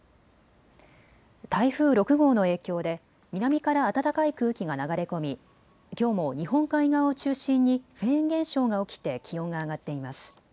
台風６号の影響で南から暖かい空気が流れ込み、きょうも日本海側を中心にフェーン現象が起きて気温が上がっています。